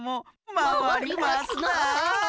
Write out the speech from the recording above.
まわりますな。